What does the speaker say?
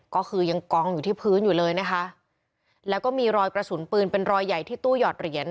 ก็คือยังกองอยู่ที่พื้นอยู่เลยนะคะแล้วก็มีรอยกระสุนปืนเป็นรอยใหญ่ที่ตู้หยอดเหรียญ